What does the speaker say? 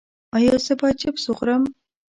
ایا زه باید چپس وخورم؟